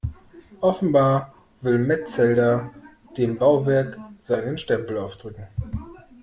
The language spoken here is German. Offenbar will Metzelder dem Bauwerk seinen Stempel aufdrücken.